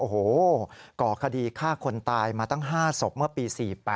โอ้โหก่อคดีฆ่าคนตายมาตั้ง๕ศพเมื่อปี๔๘